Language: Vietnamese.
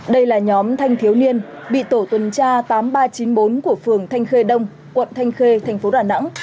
đây là nhóm thanh thiếu niên bị tổ tuần tra tám nghìn ba trăm chín mươi bốn của phường thanh khê đông quận thanh khê thành phố đà nẵng